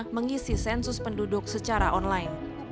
mengisi sensus penduduk secara online